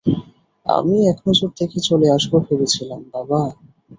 আমি একনজর দেখে চলে আসবো ভেবেছিলাম, বাবা!